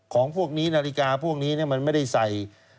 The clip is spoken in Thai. ของพวกนี้นาฬิกาพวกนี้มันไม่ได้ใส่